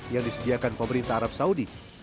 yang disediakan pemerintah arab saudi